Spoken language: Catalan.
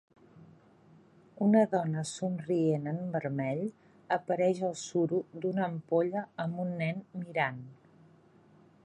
Una dona somrient en vermell apareix el suro d'una ampolla amb un nen mirant.